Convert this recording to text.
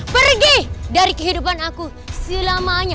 pergi dari kehidupan aku selamanya